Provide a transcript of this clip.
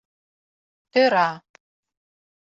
Тӧра.